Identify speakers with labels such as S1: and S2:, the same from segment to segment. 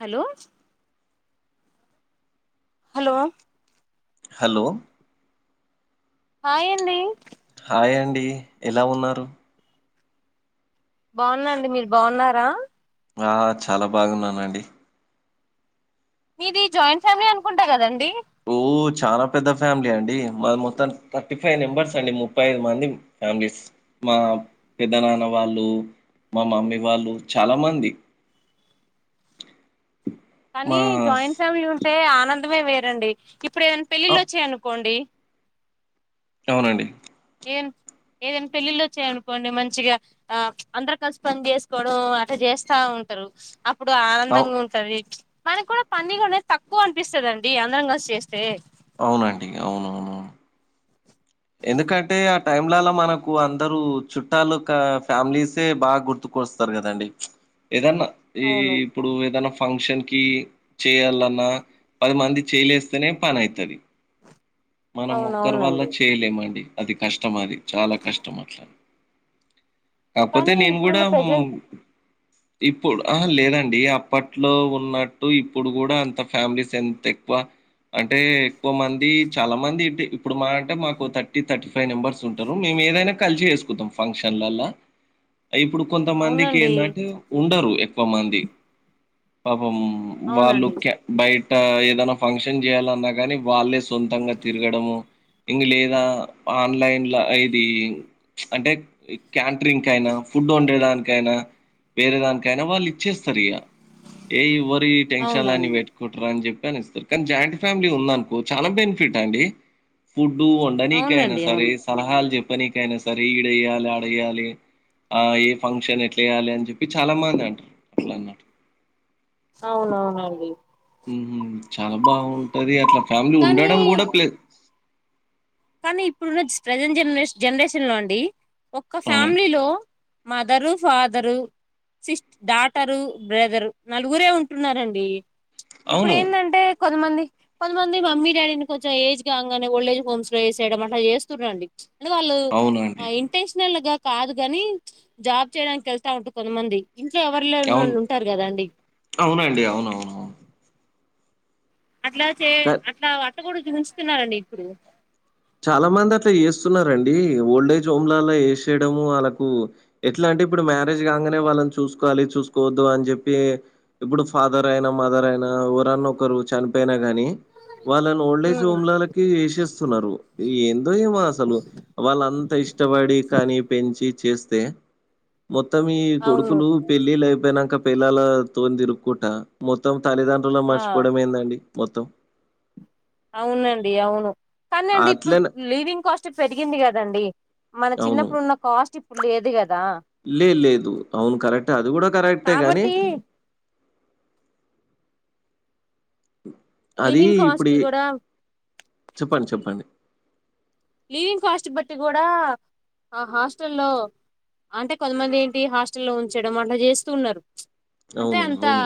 S1: Hello hello
S2: hello
S1: hi అండి
S2: hi అండి ఎలా ఉన్నారు
S1: బాగున్నాండి మీరు బాగున్నారా
S2: ఆ చాలా బాగున్నానండి
S1: మీది జాయింట్ ఫ్యామిలీ అనుకుంటా కదండి
S2: ఓహ్! చాలా పెద్ద ఫ్యామిలీ అండి మా మొత్తం థర్టీ ఫైవ్ మెంబర్స్ అండి ముప్పై ఐదు మంది ఫ్యామిలీస్ మా పెద్ద నాన్న వాళ్ళు మా మమ్మీ వాళ్ళు చాలామంది
S1: కానీ
S2: స్
S1: జాయింట్ ఫ్యామిలీ ఉంటే ఆనందమే వేరండి ఇప్పుడు ఏదైనా
S2: అ
S1: పెళ్లిళ్లు వచ్చయనుకోండి
S2: అవునండి
S1: ఏం ఏదైనా పెళ్ళిళ్ళ వచ్చాయనుకోండి మంచిగా ఆ అందరు కలిసి పని చేసుకోవడం అట్ చేస్తా ఉ చేస్తా ఉంటారు అప్పు ఇప్పుడు
S2: అవ్
S1: ఆనందంగా ఉంటది మనకి కూడా పని కూడానేది తక్కువ అనిపిస్తుందిండి అందరం కలిసి చేస్తే
S2: అవునండి అవునవునవును ఎందుకంటే ఆ టైమ్లలా మనకు అందరుూ చుట్టాలు ఫ్యామిలీసే బాగా గుర్తుకు వస్తారు కదండి ఏదన్నా ఈ
S1: అవును
S2: ఇప్పుడు ఏదనా ఫంక్షన్ కి చేయాలన్నా పది మంది చేయలేస్తేనే పని అవుతుది మనం ఒక్కరు వాళ్ళ
S1: అవునవునండి
S2: అండి అది కష్టం అది చాలా కష్టం అట్లా కాకపోతే
S1: కానీ
S2: నేను కూడా
S1: ఇప్పుడున్న ప్రజెంట్
S2: ఇప్పుడు ఆ లేదండి అప్పట్లో ఉన్నట్టు ఇప్పుడు కూడా అంత ఫ్యామిలీస్ ఎంత ఎక్కువ అంటే ఎక్కువ మంది చాలా మంది ఇ ఇప్పుడు మా అంటే మాకు థర్టీ థర్టీ ఫైవ్ మెంబర్స్ ఉంటారు మేము ఏదైనా కలిసి చేసుకుతాం ఫంక్షన్లల్లా ఇప్పుడు కొంతమందికి
S1: అవునండి
S2: ఏన్నంటే ఉండరు ఎక్కువ మంది వాళ్ళు
S1: అవునండి
S2: బయట ఏదనా ఫంక్షన్ చేయాలన్నా కానీ వాళ్ళే సొంతంగా తిరగడము ఇంక లేదు ఆన్లైన్లో ఇది అంటే క్యాంటీన్ డ్రింక్ అయినా ఫుడ్ వండడానికి నా వేరే దానికైనా వాళ్ళు ఇచ్చేస్తారు ఇక ఏవ ఈ టెషన్ అని
S1: అవునవును
S2: పెట్టుకుంటరా అని చెప్పి నిస్తారు కానీ జాయింట్ ఫ్యామిలీ ఉంద అనుకో చాలా బెనిఫిట్ అండి ఫుడ్ అడనికైనా
S1: అవునండి
S2: సరే
S1: అవును
S2: సలహాలు చెప్పనీకయినా సరే ఈడేయ్యాలి ఆడయాలి ఆ ఏ ఫంక్షన్ ఎట్లా వెయ్యాలి అని చెప్పి చాలా మంది అంటారు అట్లా అన్నట్టు
S1: అవునవునండి
S2: చాలా బాగుంటది అట్లా ఫ్యామిలీ
S1: కానీ
S2: ఉండడం కూడా పలేదు
S1: కానీ ఇప్పుడున్న ప్రజెంట్ జనరే జనరేషన్ లో అండి ఒక్క
S2: అవునండి.
S1: ఫ్యామిలీలో mother father sis daughter brother నలుగురే ఉంటున్నారండి ఇప్పుడు
S2: అవును.
S1: ఏంటంటే కొంతమంది కొంతమంది మమ్మీ డాడీని కొంచెం ఏజ్ కాగానే ఓల్డ్ ఏజ్ హోమ్స్ వేసేయడం అట్లా చేస్తున్నారండి వాళ్ళు
S2: అవునండి.
S1: ఇంటెన్షల్ గా కాదు కాని జాబ్ చేయడానికి వెళ్తా ఉంటు కొంతమంది ఇంట్లో ఎవరిలో
S2: అవును.
S1: ఉంటారు కదాండి
S2: అవునండి. అవునవునవును.
S1: అట్లా చే
S2: క
S1: అట్లా అట్ట కూడా చూంచుతున్నారండి ఇప్పుడు
S2: చాలా మంది అట్లా చేస్తున్నారుారంండి ఓల్డేజ్ హోమ్లలా చేసేయడము వాళ్ళకు ఎట్లా అంటే ఇప్పుడు మ్యారేజ్ కాగానే వాళ్ళని చూసుకోవాలి చూసుకోవద్దు అని చెప్పి ఇప్పుడు ఫాదర్ అయినా మదర్ అయినా ఎవరన్న ఒకరు చనిపోయిన గాని వాళ్ళని
S1: ఉ
S2: ఓల్డేజ్ హోమ్ కి వేసేస్తున్నారు ఏందో ఏమో అసలు వాళ్ళంతా ఇష్టపడి కానీ పెంచి చేస్తే మొత్తం ఈ
S1: అవును
S2: కొడుకులు పెళ్ళిళ్ళ పోనాక పిల్లల తో తిరుకుంటా మొత్తం తల్లిదండ్రులు
S1: ఆ
S2: మర్చిపోవడం ఏందండి మొత్తం
S1: అవునండి అవును కానీండి ఇప్పుడు
S2: అట్లనే
S1: లివింగ్ కాస్ట్ పెరిగింది కదండి మన చిన్నప్పుడు ఉన్న కాస్ట్ స్ట్ ఇప్పుడు లేదు కద్
S2: లేదు లేదు అవును కరెక్టే అది కూడా కరెక్టే కానీ
S1: కాబట్టి
S2: అది
S1: లివింగ్
S2: ఇప్పుడు
S1: కాస్ట్
S2: ఈ
S1: కూడా చెప్పండి లీవింగ్ కాస్ట్ బట్టి కూడా ఆ హాస్టల్ లో అంటే కొంతమంది ఏంటి హాస్టల్లో ఉంచడం అట్లా చేస్తూ ఉన్నారు అంటే
S2: అవును.
S1: అంత
S2: అవును.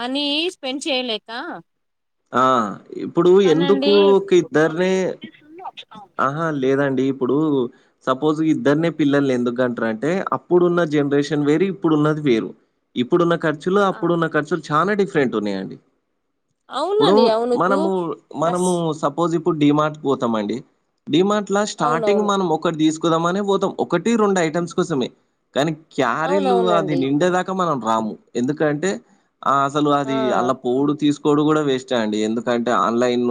S1: మనీ స్పెండ్ చేయలేక
S2: ఆ ఇప్పుడు
S1: కానండి
S2: ఎందుకు ఒక ఇద్దర్నే ఆహా లేదండి ఇప్పుడు సపోజ్ ఇద్దర్నే పిల్లల్ని ఎందుకు కంటరంటే అప్పుడున్న జనరేషన్ వేరు ఇప్పుడున్నది వేరు ఇప్పుడున్నఖ ర్చులు
S1: ఆ,
S2: అప్పుడున్న ఖర్చులు చాన డిఫరెంట్ ఉన్నాయండి ఇప్పుడు
S1: అవునండి అవును ఇప్పుడు
S2: మనము
S1: డస్
S2: మనము సపోజ్ ఇప్ డిమార్ట్ పోతామండి డిమార్ట్ ల స్టార్టింగ్
S1: అవునవును
S2: మనం ఒకటి తీస్ ా పోతాం ఒకటి రెండు ఐటమ్స్ కోసమే కానీ క్యారీలు అది
S1: అవునవునండి
S2: నిండేదాకా మనం రాము ఎందుకంటే ఆ అసలు
S1: ఆ
S2: అది అళ్లా పోడు తీస్ నుడు కూడా వేస్ట్ అండి ఎందుకంటే ఆన్లైన్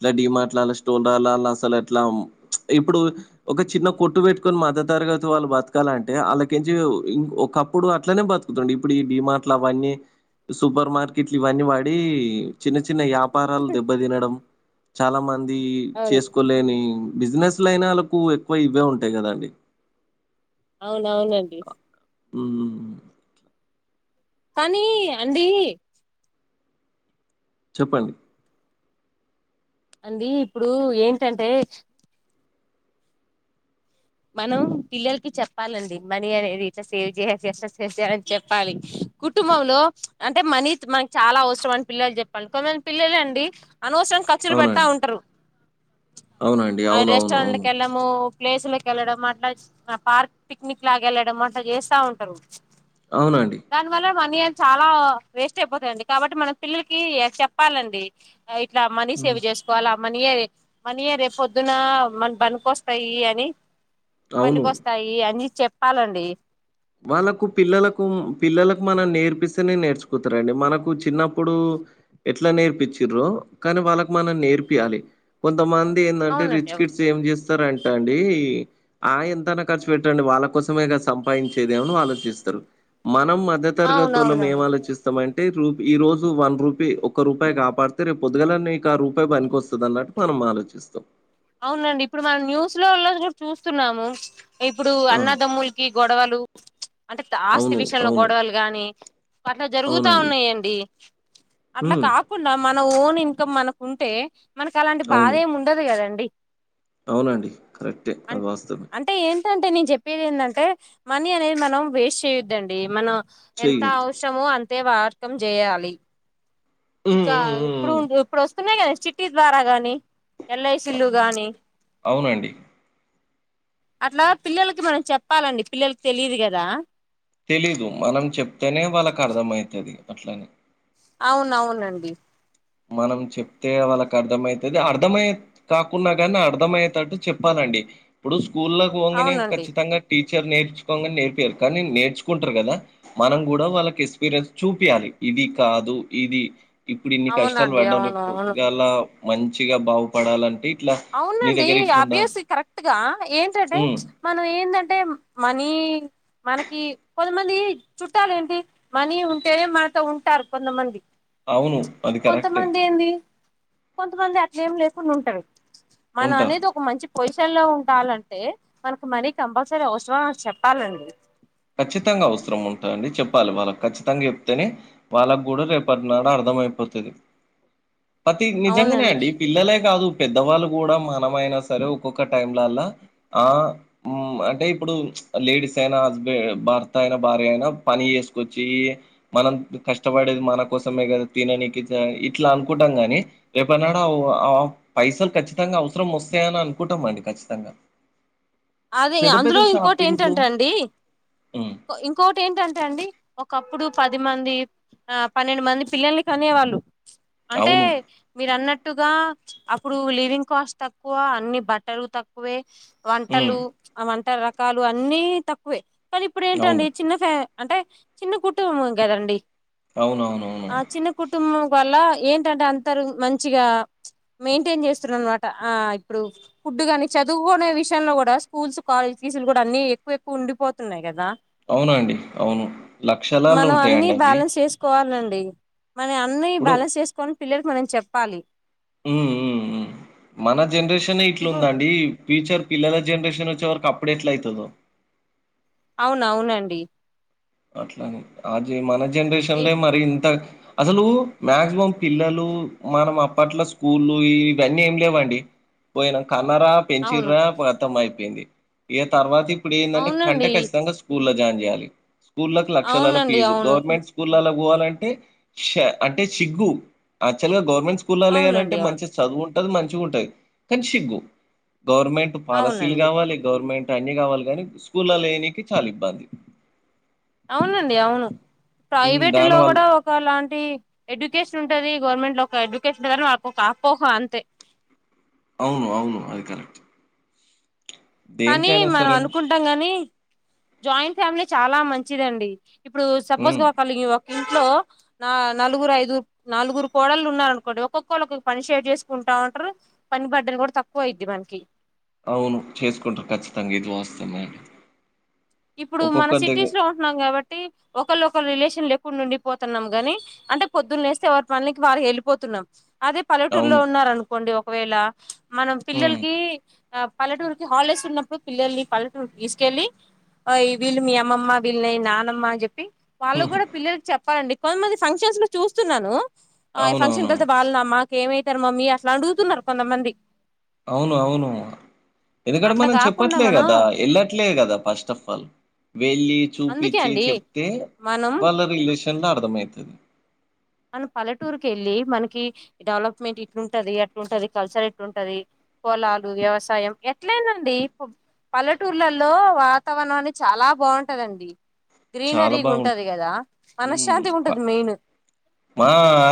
S2: ఇలా డిమార్ట్ ళ్ళ స్టోర్ల ళ్ళ అసలు ఇట్లాం ఇప్పుడు ఒక చిన్న కొట్టు పెట్టుకొని మధ్య తరగతి వాళ్ళు బతకాలంటే వాళ్ళకించిం ఇం ఓ కప్పుడు అట్లనే బతుకుతుండే ఇప్పుడు ఈ డిమాట్లు అవన్నీ సుపర్ మార్కెట్లీ ఇవన్నీ పడి చిన్న చి న్న వ్యాపారాలు దెబ్బ తినడం చాలా మంది
S1: అవును
S2: చేసుకోలేని బిజినెస్ లైనా వాళ్ళకు ఎక్కువ ఇవే ఉంటాయి కదాండి
S1: అవునవునండి
S2: మ్
S1: కానీ అండి
S2: చెప్పండి
S1: అండి ఇప్పుడు ఏంటంటే మనం పిల్లలకి చెప్పాలండి మనీ అనేది ఇట్లా సేవ్ చేయా [unintelligible] చెప్పాలి కుటుంబంలో అంటే మనీ మనకి చాలా అవసరం అని పిల్లలు చెప్పాలి కొంతమంది పిల్లలు అండి అనవసరంగ ఖర్చులు పెడుతా
S2: అవునండి
S1: ఉంటారు
S2: అవునండి
S1: అనవసరంగ
S2: అవునవును అవును
S1: రెస్టారెంట్కి
S2: అవును,
S1: వెళ్ళాడము ప్లేసులకేళ్ళడం అట్లా పార్క్ పిక్నిక్ లాగా వెళ్ళడం అట్లా చేస్తా ఉంటారు
S2: అవునండి
S1: మని అనేవి చాలా వేస్ట్ అయిపోతాయండి కాబట్టి మనం పిల్లకి చెప్పాలండి ఇట్లా మని
S2: ఉమ్,
S1: సేవ్ చేసుకోవాల మనీయే మనీయే రేప్ పొద్దున మనకు బనికొస్తాయని
S2: అవును
S1: పనికొస్తాయి అని చెప్పాలండి
S2: వాళ్ళకు పిల్లలకు పిల్లలకు మనం నేర్పిస్తేనే నేర్చుకుటరండి మనకు చిన్నప్పుడు ఎట్లా నేర్పించ్రో కానీ వాళ్ళకి మనం నేర్పిియలి కొంతమం దెందంటే
S1: అవునండి
S2: రిచ్
S1: అవును
S2: కిడ్స్ ఏం చేస్ ారంట అండి ఆ ఎంతన్న ఖర్చు పెట్టండి వాళ్ళ కోసమేగ సంపాదించ్ దేమని ఆలోచిస్తారు మనం మధ్య తరగతోళ్ళం ఏం
S1: అవునవునండి
S2: ఆలోచిస్తామం టే రూ ఈ రోజు వన్ రూపాయి ఒక్క రూపాయి కాపాడితే రేపు పొద్దుగాల ఆ రూపాయి పనికోస్తదన్నట్టు మనం మలోచిస్తాం
S1: అవునండి ఇప్పుడు మనం న్యూస్ లో కూడా చూస్తున్నాము ఇప్పుడు
S2: ఆ!
S1: అన్నదమ్ములకి గొడవలు అంటే ఆస్తి
S2: అవును.
S1: విషయంలో
S2: అవును.
S1: గొడవలు గాని అట్లా జరుగుతా
S2: అవునండి.
S1: ఉన్నాయండి అట్లా
S2: హ్మ్.
S1: కాకుండా మన్ మన ఓన్ ఇన్కమ్ మనకు ఉంటే మనకి అలాంటి బాధ
S2: అవును.
S1: ఏమి ఉండదు కదండి
S2: అవునండి కరెక్టే అది వాస్తవం
S1: ఎంటే నేను చెప్పేది ఏందంటే మనీ అనేది మనం వేస్ట్ చేయొద్దండి మనం ఎంత
S2: చెయ్యొద్దు.
S1: అవసరమో అంతే వార్కం జెయాలి
S2: హ్మ్.
S1: ఇంకా
S2: హ్మ్. హ్మ్.
S1: ఇప్పుడు
S2: హ్మ్.
S1: ఇప్పుడు వస్తున్నాయి కదా సిటీ ద్వారా గాని ఎ కిలుగాని
S2: అవునండి.
S1: అట్లా పిల్లలకి మనం చెప్పాలండి పిల్లలకి తెలిదు గదా
S2: తెలీదు మనం చెప్తేనే వాళ్ళకి అర్థమైతది అట్లనే
S1: అవును అవునండి
S2: మనం చెప్తే వాళ్ళకి అర్థమైతది అహ అర్థమయ్యే కాకున్నా కానీ అర్ధమయ్యేటట్టు చెప్పాలం డి ఇప్పుడు స్కూళ్లకు వోంగనే
S1: అవునండి
S2: కచ్చితంగా టీ [unintelligible] నేర్పియరు కానీ నేర్చుకుంటారు కదా మనం కూడా వళ్ళకి ఎక్స్పీరియన్స్ చూపియ్యలి ఇది కాదు ఇది ఇప్పుడు ఇన్ని కష్టాలు
S1: అవునండి
S2: వడ్డాన్
S1: అవును అవును
S2: గాలా మంచిగా బాగుపడాలంటి
S1: అవునండి అభ్యాస కరెక్ట్ గా ఏంటంటే
S2: హ్మ్.
S1: మనం ఏందం టేమ్ మనీ మనకి కొంతమంది చుట్టాల ఏంటి మనీ ఉంటేనే మనతో ఉంటారు కొంతమంది
S2: అవును. అది కరెక్టే.
S1: కొంతమంది ఏంది కొంతమంది అట్లే ఏం లేకుండా ఉంటారు మన
S2: ఉంటారు.
S1: అనేది ఒక మంచి పొజి [unintelligible] లో ఉండాలంటే మనకు మనీ కంపల్సరీ అవసరం అని చెప్పాలండి
S2: ఖచ్చితంగా అవసరం ఉంటదండి చెప్పాలి వాళ్ళకి ఖచ్చితంగా చెప్తేనే వాళ్ళకి గుడా రేపటినాడు అర్ధం [unintelligible] పతి నిజంంగానేే
S1: అవునండి
S2: అండి పిల్లాలే గాదు పెద్దవాళ్ళు గుడా మనమ ఐనా సరే ఒక్కొక్క టైంలల్లా ఆ ఉమ్ అంటే ఇప్పుడు లేడిస్ైనా హస్బ [unintelligible] భర్త అయిన భార్య అయినా పని చేసుకోచ్చి మనం కష్టపడేది మన కోసమే గదా తిననికి ఇట్లా అనుకుంటాం గాని రేపుడున్నాడ [unintelligible] పైసలు కచ్చితంగా అవసరం వొస్త ేనా అను కుంటం అండి ఖచ్చితంగా
S1: అదే ఇగ
S2: పెద్ద పెద్ద
S1: అందులో ఇంకోటి
S2: షాపింగ్‌లు
S1: ఏంటంట అండి
S2: హ్మ్.
S1: ఇంకోటి ఏంటంటే అండి ఒకప్పుడు పది మంది ఆ పన్నెండు మంది పిల్లలు కనేవాళ్ళు అంటే
S2: అవును.
S1: మీరు అన్నట్టు టుగా అప్పుడు లివింగ్ కాస్ట్ తక్కువ అన్ని బట్టలు తక్కువే
S2: హ్మ్.
S1: ట్టలు ఆ వంట రకాలు అన్నీ తక్కువే కానీ ఇప్పుడు ఏంటండి
S2: అవును.
S1: చిన్న ఫ అంటే చిన్న కుటుంబం గదండి
S2: అవునవునవును.
S1: ఆ చిన్న కుటుంబం వల్ల ఏంటంటే అంతరు మంచిగా మెయింటైన్ చేస్తున్నారు అనుమాట ఆ ఇప్పుడు ఫుడ్ గానీ చదువుకోనే విషయంలో గుడా స్కూల్స్ కాలేజ్ ఫీసులు గుడా అన్ని ఎక్కువ ఎక్కువ ఉండిపోతున్నాయి గదా
S2: అవునండి అవును లక్షలాలు ఉంటాయండి అవి
S1: డి మనయి అన్నీ
S2: ఇప్పుడు
S1: బ్యాలెన్స్ చేసుకొని పిల్లలకి మనం చెప్పాలి
S2: [unintelligible] మన జనరేషనే ఇట్లు
S1: ఇప్పుడు
S2: ఉందండి ఫ్యూచర్ పిల్లల జనరేషన్ [unintelligible] కప్పుడు ఎట్లా అయితదో
S1: అవును అవునండి
S2: అట్లానే అజి మన
S1: ఏ
S2: జనరేషన్లే మరి ఇంత అసలు మాక్సిమం పిల్లలు మనం అప్పట్ల స్కూళ్ళు ఇవి అన్ని ఏం లేవండి పోయినమ్ కన్నరా
S1: అవును
S2: పెంచిర్ర ప్రత్తం అయిపోయింది ఇగ తర్వాత ఇప్పు ఏందంటే కంటే
S1: అవునండి
S2: ఖచ్చితంగా స్కూల్లో జాయిన్ చేయాలి స్కూళ్క లక్షలలలో
S1: అవునండి
S2: ఫీజు
S1: అవును
S2: గవర్నమెంట్ స్కూళ్ పోవాలంటే అంటే సిగ్గు యాక్చువల్ గా గవర్నమెంట్ స్కూల్లలలో వేయాలంటే
S1: అవునండి అవును
S2: మంచి చదువుం ది మంచిగ ఉంటది కనీ సిగ్గు గవర్నమెంట్ పాలసీలు
S1: అవునండి
S2: కావాలి గవర్నమెంట్ అన్ని కావాలి కానీ స్కూల్లల్లో ఏనికి చాలా ఇబ్బంది
S1: అవునండి అవును ప్రైవేట్ లో
S2: దాని వల్ల
S1: కూడా ఒకలాంటి ఎడ్యుకేషన్ ఉంటది గవర్నమెంట్ లో ఒక ఎడ్యుకేషన్ కానీ మాకు ఒక అపోహ అంతే
S2: అవును అవును అది కరెక్ట్
S1: కానీ
S2: దేనికైనా
S1: మనం
S2: సరే
S1: అనుకుంటాం గాని జాయింట్ ఫ్యామిలీ చాలా మంచిదండి ఇప్పుడు
S2: హ్మ్.
S1: సపోజ్గా ఒకల్ ఒక ఇంట్లో నా నలుగురు ఐదు నలుగురు కోడళ్లు ఉన్నారు అనుకోండి ఒక్కొక్కళ్లు ఒక్క పని షేడ్ చేసుకుంటా ఉంటరు పని బట్టలు కూడా తక్కువ అయిద్ది మనకి
S2: అవును చేసుకుంటరు ఖచ్చితంగా ఇది వాస్తము
S1: ఇప్పుడు మన సిటీస్ లో ఉంటున్నాం కాబట్టి ఒకళ ఒకరు రిలేషన్లు చెప్ ఉండి పోతున్నాం గాని అంటే పొద్దున్న లేస్తే ఎవరి పనికి వారి వెళ్ళిపోతున్నాం అదే పల్లెటూరులో
S2: అవును.
S1: ఉన్నారు అనుకోండి ఒకవేళ మనం
S2: హ్మ్.
S1: పిల్లలకి ఆ పల్లెటూరుకి హాలిడేస్ ఉన్నప్పుడు పిల్లల్ని పల్లెటూరుకి తీసుకెళ్ళి వీళ్ళు మీ అమ్మమ్మ వీళ్ళని నానమ్మ అని చెప్పి వాళ్ళు కూడా పిల్లలకి చెప్పాలండి. కొంతమంది ఫంక్షన్స్ లో చూస్తున్నాను ఆ ఫంక్షన్ కి
S2: అవునవును.
S1: వెళ్తే వాళ్ళు మా ఏమయితారు మమ్మీ అట్లా అడుగుతున్నారు కొంతమంది
S2: అవును అవును ఎందుకంట
S1: అట్లా
S2: మనం
S1: కాకుండా
S2: చెప్పట్లే
S1: మనం
S2: కదా వెళ్ళట్లేదు కదా ఫస్ట్ ఆఫ్ వెళ్ళి
S1: అందుకే
S2: చూపిచ్చి
S1: అండి
S2: చెప్తే
S1: మనం
S2: వాళ్ళ రిలేష త అర్థమయతది
S1: మనం పల్లెటూరుకి వెళ్ళి మనకి డెవలప్మెంట్ ఇట్లుంటది అట్లుంటది కల్చర్ ఎట్లుంటది పొలాలు వ్యవసాయం ఎట్లయిన అండి పల్లెటూర్లల్లో వాతావరణం అనేది చాలా బాగుంటదండి
S2: చాలా
S1: గ్రీనరీగ ఉంటది
S2: బావుంటుంది.
S1: కదా మనశ్శాంతి ఉంటది మెయిన్
S2: మా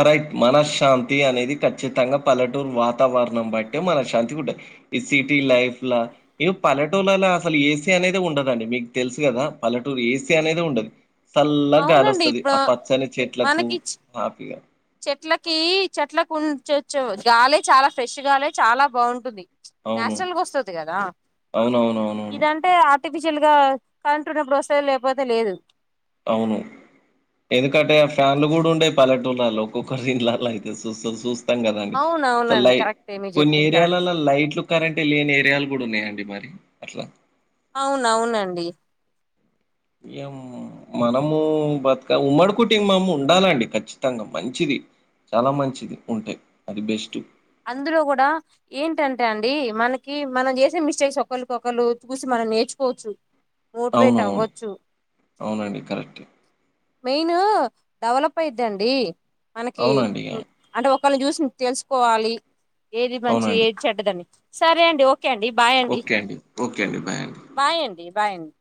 S2: రైట్ మనశ్శాంతి అనేది ఖచ్చితంగా పల్లెటూరు వాతావరణం బట్టే మనశాంతి ఇ సిటీ లైఫలా ఇగ పల్లెటూర్లలా అసలు ఏసీ అనేది ఉండదండి మీకు తెలుసు కదా పల్లెటూరు ఏసీ అనేది ఉండదు చల్లగా గాలి
S1: అవునండి
S2: వస్తది
S1: ఇప్పుడు
S2: ఆ పచ్చని చెట్లకు
S1: మనకి
S2: హ్యాపీగా.
S1: చెట్లకి చెట్లకి ఉంచొచ్చు గాలి చాలా ఫ్రెష్ గాలి చాలా బాగుంటుంది
S2: అవును.
S1: నాచురల్గా వస్తుంది కదా
S2: అవునవునవునవును.
S1: ఇదంటే ఆర్టిఫిషియల్ గా కంటున్నప్పుడు వస్తది లేకపోతే లేదు
S2: అవును ఎందుకంటే ఆ ఫ్యాన్లు కూడా ఉండేయి పల్లెటూళ్లలో కుక్కర్ ఇళ్ల అయితే చూస్తు చూస్త కదండి
S1: అవున అవునండి కరెక్టే మీరు
S2: కొన్ని
S1: చెప్పింది కరెక్టే
S2: ఏరియాలల్లో లైట్లు కరెంటు లేని ఏరియల్ కూడా ఉన్నాయా అండి మరి అట్లా
S1: అవున అవునండి
S2: ఏం మనము బతుక ఉమ్మడి కుటింభం ఉండాలండి ఖచ్చితంగా మంచిది చాలా మంచిది ఉంటే అది బెస్ట్
S1: అందులో కూడా ఏంటంటే అండి మనకి మనం చేసే మిస్టేక్స్ ఒకలికి ఒకళ్రు చూసి మన నేర్చుకోవచ్చు మోటివేట్
S2: అవునవును
S1: అవచ్చు
S2: అవునండి కరెక్ట్
S1: మెయిన్ డెవలప్ అయిద్ది అండి మనకి
S2: అవునండి
S1: అంటే ఒక ఒకళని చూసి తెలుసుకోవాలి ఏది మంచిది
S2: అవునండి
S1: ఏది చెడ్డదని సరే అండి ఓ ఓకే అండి బాయండి
S2: ఓకే అండి ఓకే అండి బాయ్ అండి
S1: బాయండి బాయండి